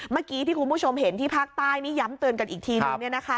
เมื่อกี้ที่คุณผู้ชมเห็นที่ภาคใต้นี่ย้ำเตือนกันอีกทีนึง